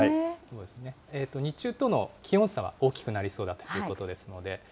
日中との気温差は大きくなりそうだということですので。